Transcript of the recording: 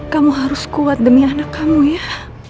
kamu harus kuat demi anak kamu ya